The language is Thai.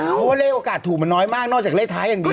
เพราะว่าเลขโอกาสถูกมันน้อยมากนอกจากเลขท้ายอย่างดี